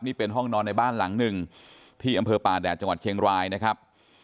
นี่เป็นห้องนอนในบ้านหลังหนึ่งที่อำเภอป่าแดดจังหวัดเชียงรายนะครับ